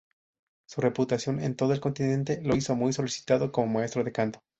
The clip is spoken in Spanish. Su reputación en todo el continente lo hizo muy solicitado como maestro de canto.